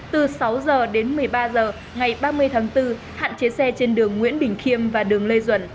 từ sáu h đến một mươi ba h ngày ba mươi tháng bốn hạn chế xe trên đường nguyễn bình khiêm và đường lê duẩn